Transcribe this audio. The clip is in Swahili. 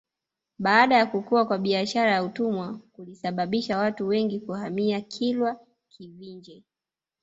Baada ya kukua kwa biashara ya utumwa kulisababisha watu wengi kuhamia Kilwa Kivinje